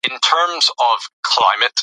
خاوند یې وویل چې دا غلام ستا مال شو.